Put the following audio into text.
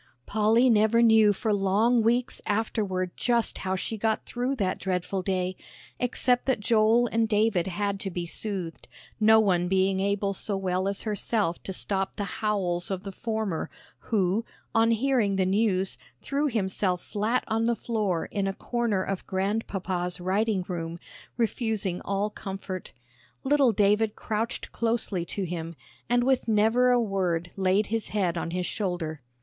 Polly never knew for long weeks afterward just how she got through that dreadful day, except that Joel and David had to be soothed, no one being able so well as herself to stop the howls of the former, who, on hearing the news, threw himself flat on the floor in a corner of Grandpapa's writing room, refusing all comfort. Little David crouched closely to him, and with never a word laid his head on his shoulder.